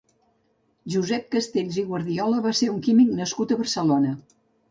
Josep Castells i Guardiola va ser un químic nascut a Barcelona.